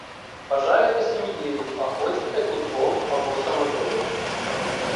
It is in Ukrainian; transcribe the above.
бажаєте – сім’єю, а хочете – удвох або самотою